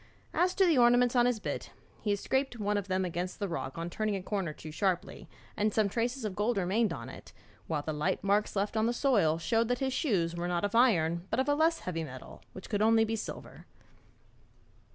As to the ornaments on his bit, he had scraped one of them against a rock on turning a corner too sharply, and some traces of gold remained on it, while the light marks left on the soil showed that his shoes were not of iron but of a less heavy metal, which could only be silver.'